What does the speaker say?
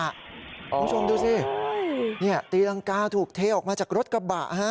คุณผู้ชมดูสิตีรังกาถูกเทออกมาจากรถกระบะฮะ